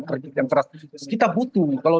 kritik yang keras kita butuh kalau